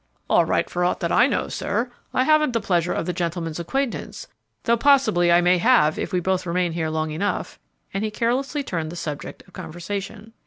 "All right for aught that I know, sir; I haven't the pleasure of the gentleman's acquaintance, though possibly I may have if we both remain here long enough," and he carelessly turned the subject of conversation.